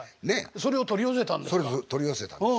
それ取り寄せたんです。